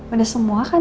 udah semua kan